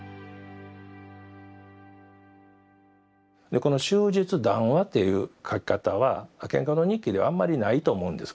でこの「終日談話」っていう書き方は「蒹葭堂日記」ではあんまりないと思うんです。